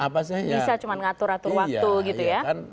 bisa cuma mengatur waktu gitu ya